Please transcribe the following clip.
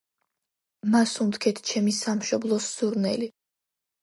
მასუნთქეთ ჩემი სამშობლოს სურნელი.